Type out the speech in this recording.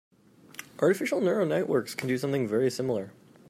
Artificial neural networks can do something very similar.